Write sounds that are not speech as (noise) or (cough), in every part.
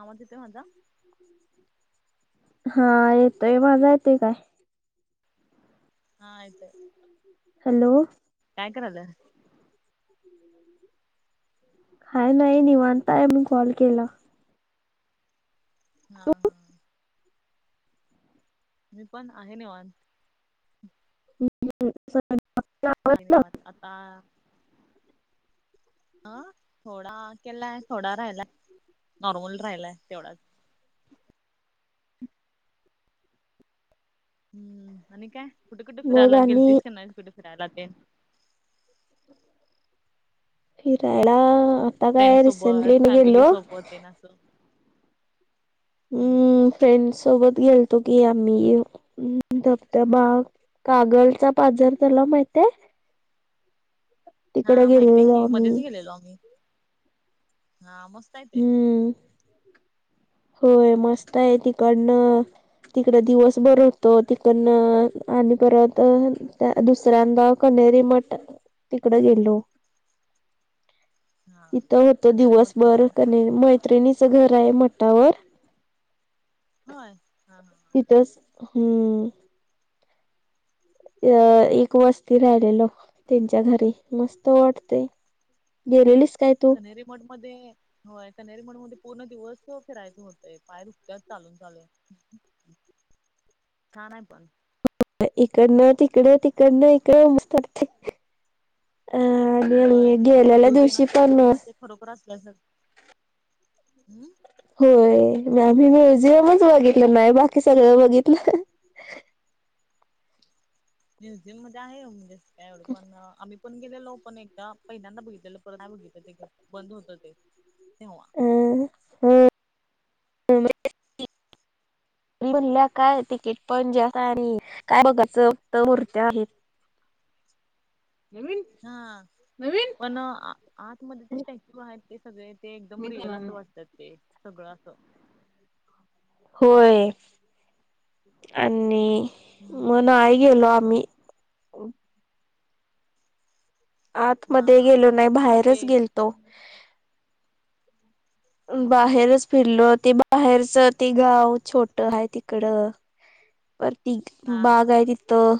आवाज येतोय माझा. हा येतोय माझा येते काय? हा येतोय. हॅलो. काय कराल्यास? हाय नाय निवांत हाय मी कॉल केला. हा हा. मी पण आहे निवांत. (unintelligible) (unintelligible) आता आं थोडा केलाय थोडा राहिलाय. नॉर्मल राहिलाय तेवढाच हम्म आणि काय कुठे-कुठे मग फिरायला आणि गेलतीस का नाय कुठे फिरायला तेन फिरायला फ्रेंड काय सोबत रिसेंटली मी फॅमिली गेलो सोबत तेना असं हम्म फ्रेंड्स सोबत गेलतो की आम्ही यो उम्म धबधबा कागल चा पाझर तलाव माहितेय? हा माहितीये गेलेलो की मध्येच आम्ही गेलेलो आम्ही हा मस्त आहे ते. हम्म होय मस्तय तिकडनं तिकडे दिवसभर होतो तिकडनं आणि परत हान त्या दुसऱ्यांदा कनेरी मठ तिकड गेलो. हा तिथं होतो कन्हेरी मठ पण दिवसभर छान आहे. कनी मैत्रिणीच घर आहे मठावर. होय हा हा. तिथंच हम्म. अ एक वस्ती राहिलेलो त्यांच्या घरी मस्त वाटते. गेलेलीस काय तू? तरी मड मध्ये होय कनरीमठ मध्ये पूर्ण दिवस फिरायचं होतय पाय दुकत्यात चालून चालून. छान आहे पण. इकडनं- तिकडं तिकडनं -इकडं मस्त वाटतय. अ होय (unintelligible) ते गेलेल्या स्टॅच्यू तेन दिवशी असे पण पूर्ण असे खरोखर असल्यानच हम् होय म आम्ही म्युझियमच बघितलं नाही बाकी सगळं बघितलं. म्युझियम मध्ये आहे म्हणजे काय एवढ पण आम्ही पण गेलेलो पण एकदा पहिल्यांदा बघितलेलं परत नाय बघितलं ते घर बंद होतं ते तेव्हा. हम (unintelligible) म्हणल्या काय तिकीट पण ज्यादा (unintelligible) आणि काय बघाचं तर मुर्त्या आहेत. हा पण आ आतमध्ये ते स्टॅच्यू आहेत ते सगळे ते एकदम रिअल असं वाटतात ते सगळं असं. होय आनी मग हम्म नाय गेलो आम्ही. हा आतमध्ये हा गेलो नाय हा हा ते बाहेरच गेलतो. होय बाहेरच फिरलो ते बाहेरच ते गाव छोटं हाय तिकडं. वरती हा हा बाग हाय हा तिथं.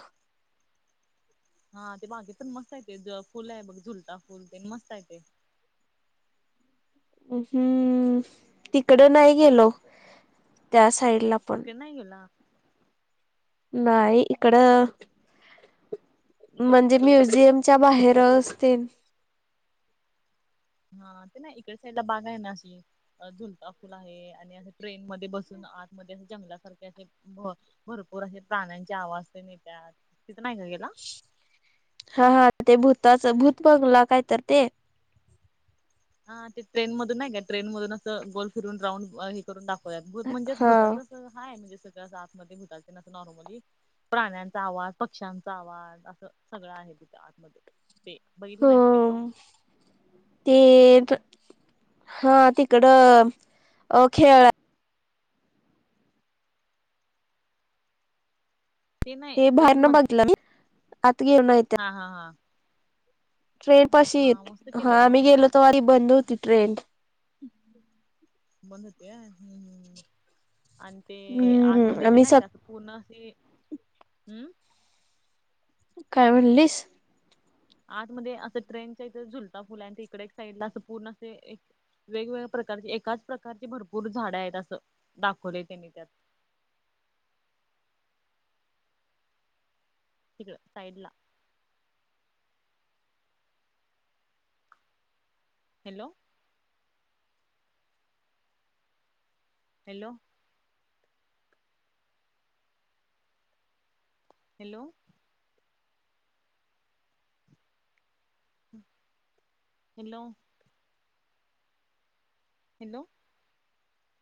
हा ते मागे पन मस्त हाय ते पूल आहे बघ झुलता पूल ते मस्ता हाय ते. हम्म तिकड नाही गेलो त्या साईड ला तिकडं नाय गेला. नाई इकडं म्हंजे म्युझियमच्या बाहेरच असते. हा ते ना इकडच्या साईटला बाग आहे ना अशी. झुलता फुल आहे आणि असं ट्रेन मध्ये बसून आतमध्ये असे जंगलासारखे असे म भरपूर असे प्राण्यांचे आवाज तेन येत्यात तिथं नाही का गेला? हा. हा. ते भूताच भूत बंगला काय तर ते हा ते ट्रेन मधून नाय का? ट्रेन मधून असं गोल फिरून राऊंड हे करून दाखवत्यात भूत म्हणजेच हा भूताचं हाय म्हणजे सगळं असं आतमधे भूताचं नॉर्मली. प्राण्यांचा आवाज, पक्ष्यांचा आवाज असं सगळं आहे तिथ आतमध्ये. ते बघीतल नाहीस काय तू? ह. ते प हा तिकड अ खेळ ते नाही बाहेर ट्रेन न मधे बघितलं मी आत गेलो नाही हा हां हां. ट्रेन पाशी ये मस्त हा केलंय मी मस्त गेलो तेव्हा बंद होती ट्रेन. बंद होते हं हं अन ते हम्म आतमध्ये इकड आम्ही नाही स का? (unintelligible) काय म्हणलीस? आतमध्ये असं ट्रेनच्या इथं झुलता पूल इकड एक साइड ला असं पूर्ण असं वेगवेगळ्या प्रकारचे एकाच प्रकारची भरपूर झाडं आहेत असं दाखवले त्यांनी त्यात. तिकडं साईटला. हॅलो. हॅलो. हॅलो. हं हॅलो. हॅलो.